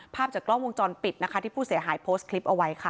ภาพจากกล้องวงจรปิดนะคะที่ผู้เสียหายโพสต์คลิปเอาไว้ค่ะ